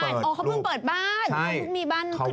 อเล็กใช่ไหมอันนี้ข่าว